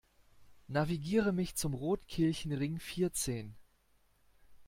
Navigiere mich zum Rotkelchenring vierzehn!